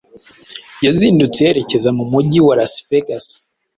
yazindutse yerekeza mu mujyi wa Las Vegas